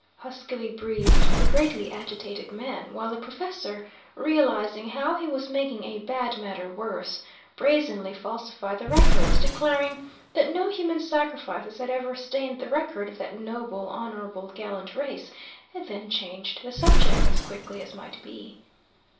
huskily breathed the greatly agitated man, while the professor, realising how he was making a bad matter worse, brazenly falsified the records, declaring that no human sacrifices had ever stained the record of that noble, honourable, gallant race; and then changed the subject as quickly as might be.